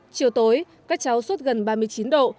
chiều tối các cháu sốt gần ba mươi chín độ